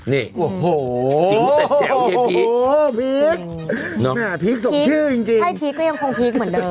นี่จริงแต่แจ๋วไอ้พีคเนอะพีคส่งชื่อจริงพีคใช่พีคก็ยังคงพีคเหมือนเดิม